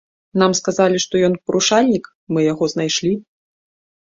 Нам сказалі, што ён парушальнік, мы яго знайшлі.